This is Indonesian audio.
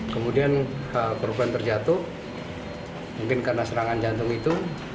kemudian korban terjatuh mungkin karena serangan jantung itu